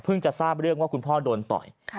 จะทราบเรื่องว่าคุณพ่อโดนต่อย